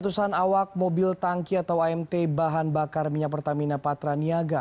ratusan awak mobil tangki atau amt bahan bakar minyak pertamina patraniaga